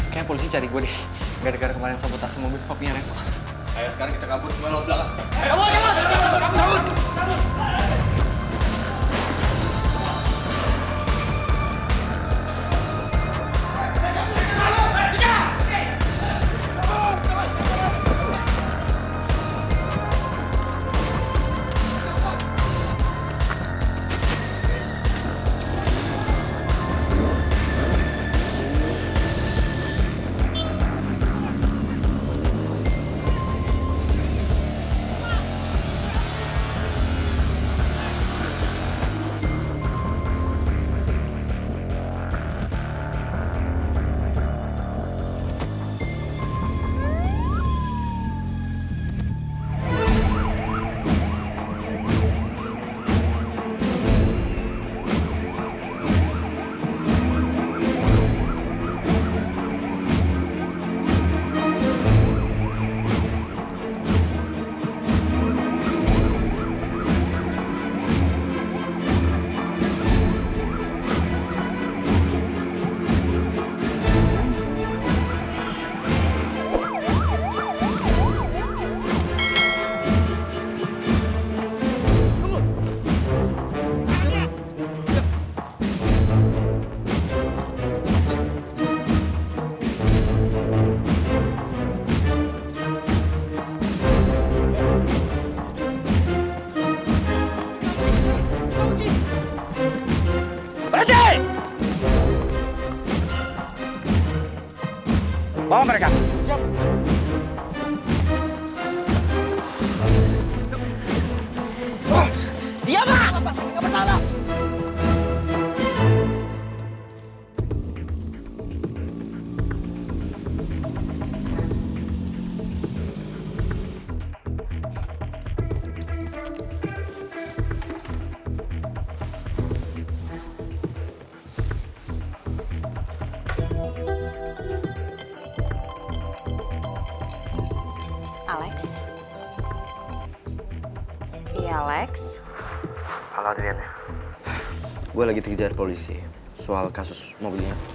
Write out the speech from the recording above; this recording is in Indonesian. gue lagi terkejar polisi soal kasus mobilnya